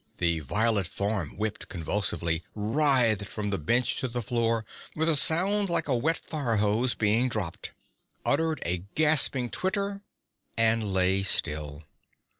The violet form whipped convulsively, writhed from the bench to the floor with a sound like a wet fire hose being dropped, uttered a gasping twitter, and lay still.